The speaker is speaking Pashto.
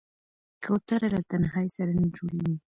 کوتره له تنهايي سره نه جوړېږي.